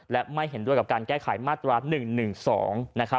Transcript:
และไม่เห็นด้วยกับการแก้ไขมาตรา๑๑๒